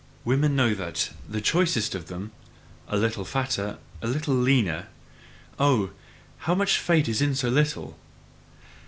Women know that, the choicest of them: a little fatter a little leaner oh, how much fate is in so little!